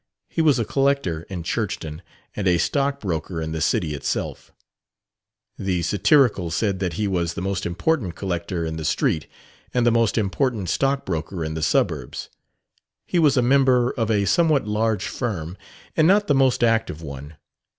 He was a collector in Churchton and a stockbroker in the city itself. The satirical said that he was the most important collector in "the street," and the most important stockbroker in the suburbs. He was a member of a somewhat large firm, and not the most active one.